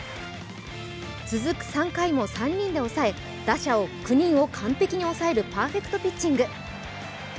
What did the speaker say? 続く３回も３人で抑え、打者９人を完璧に抑えるパーフェクトピッチング。